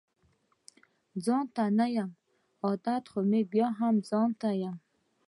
ځانته نه يم عادت خو بيا هم ځانته يم